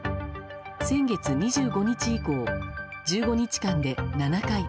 先月２５日以降、１５日間で７回。